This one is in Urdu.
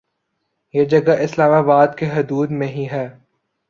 یہ جگہ اسلام آباد کی حدود میں ہی ہے